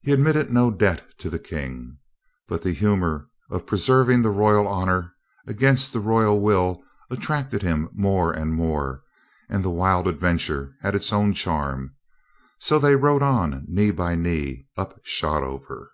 He admitted no debt to the King, But the humor of preserving the royal honor against the royal will attracted him more and more and the wild adventure had its own charm. So they rode on knee by knee up Shotover.